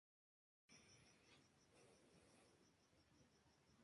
Desde entonces, se han descubierto numerosos asteroides binarios.